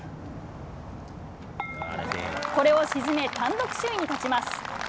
これを沈め、単独首位に立ちます。